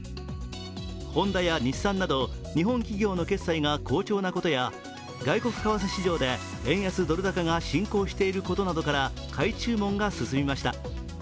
ホンダや日産など日本企業の決算が好調なことや外国為替市場で円安・ドル高が進行していることから買い注文が進みました。